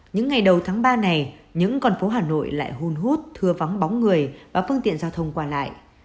những ngày đầu tháng ba này những con phố hà nội lại hôn hút thưa vắng bóng người và phương tiện giao thông qua lại